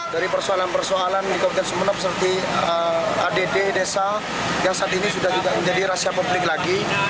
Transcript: dari persoalan persoalan di kabupaten sumeneb seperti add desa yang saat ini sudah tidak menjadi rahasia publik lagi